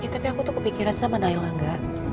tapi aku tuh kepikiran sama nailah nggak